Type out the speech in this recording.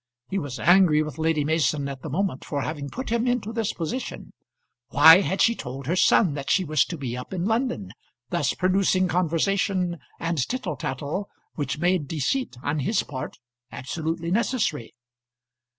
He was angry with Lady Mason at the moment for having put him into this position. Why had she told her son that she was to be up in London, thus producing conversation and tittle tattle which made deceit on his part absolutely necessary?